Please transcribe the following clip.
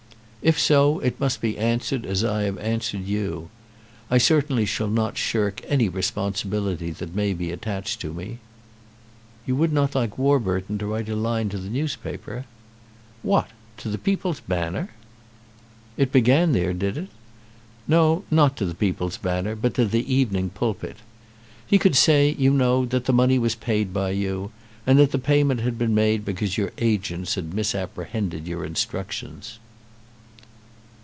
"If so, it must be answered as I have answered you. I certainly shall not shirk any responsibility that may be attached to me." "You would not like Warburton to write a line to the newspaper?" "What; to the 'People's Banner!'" "It began there, did it? No, not to the 'People's Banner,' but to the 'Evening Pulpit.' He could say, you know, that the money was paid by you, and that the payment had been made because your agents had misapprehended your instructions."